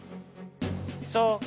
そう！